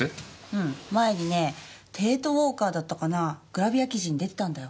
うん前にね『帝都ウォーカー』だったかなグラビア記事に出てたんだよ。